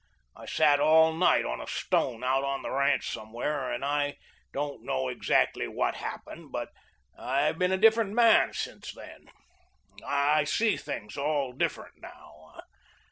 I sat all night on a stone out on the ranch somewhere and I don't know exactly what happened, but I've been a different man since then. I see things all different now.